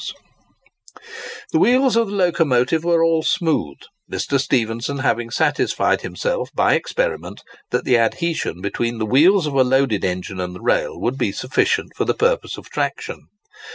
[Picture: The Spur gear] The wheels of the locomotive were all smooth, Mr. Stephenson having satisfied himself by experiment that the adhesion between the wheels of a loaded engine and the rail would be sufficient for the purpose of traction.